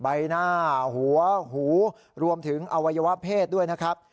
ใบหน้าหัวหูรวมถึงอวัยวะเพศด้วยนะครับ